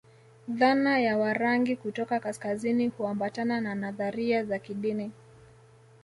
Dhana ya Warangi kutoka kaskazini huambatana na nadharia za kidini